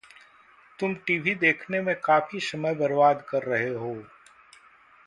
तुम टीवी देखने में काफ़ी समय बरबाद कर रहे हो।